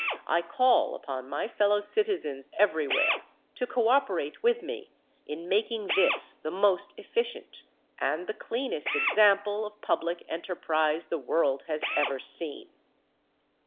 I call upon my fellow citizens everywhere to cooperate with me in making this the most efficient and the cleanest example of public enterprise the world has ever seen.